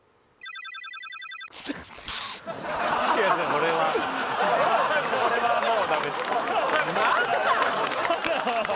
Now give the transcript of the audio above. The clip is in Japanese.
これはこれはもうダメ何なん！？